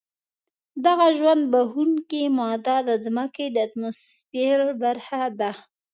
دغه ژوند بښونکې ماده د ځمکې د اتموسفیر برخه ده.